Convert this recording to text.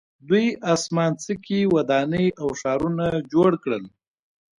دوی اسمان څکې ودانۍ او ښارونه جوړ کړل.